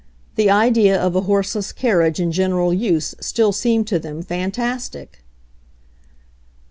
The idea of a horseless carriage in general use still seemed to them fantastic.